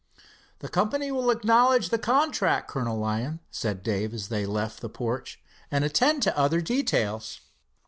"The company will acknowledge the contract, Colonel Lyon," said Dave, as they left the porch, "and attend to other details."